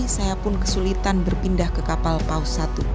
saya pun kesulitan berpindah ke kapal paus satu